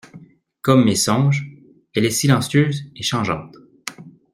Comme mes songes, elle est silencieuse et changeante.